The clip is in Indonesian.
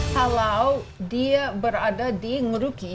kalau dia berada di ngeruki